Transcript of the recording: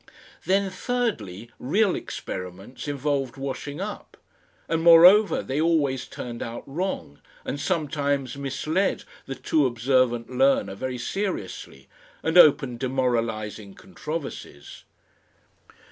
Then thirdly, real experiments involved washing up. And moreover they always turned out wrong, and sometimes misled the too observant learner very seriously and opened demoralising controversies.